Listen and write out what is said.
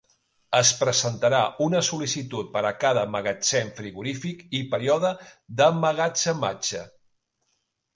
Es presentarà una sol·licitud per a cada magatzem frigorífic i període d'emmagatzematge.